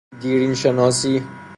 دیرین شناسی